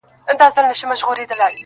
شپه تر سهاره مي لېمه په الاهو زنګوم!!